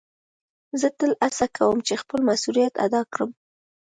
زه تل هڅه کؤم چي خپل مسؤلیت ادا کړم.